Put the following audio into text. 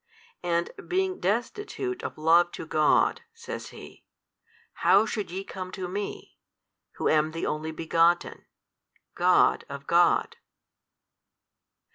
And being |303 destitute of Love to God (says He) how should ye come to Me, Who am the Only Begotten, God of God?